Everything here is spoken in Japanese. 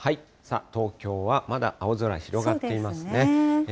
東京はまだ青空広がっていますね。